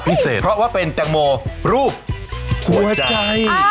เพราะว่าเป็นแตงโมรูปหัวใจ